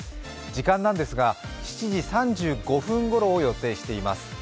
時間なんですが、７時３５分ごろを予定しています。